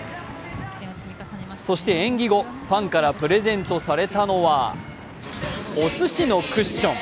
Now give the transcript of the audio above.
そして、演技後、ファンからプレゼントされたのは、おすしのクッション。